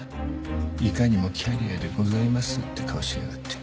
いかにもキャリアでございますって顔しやがって。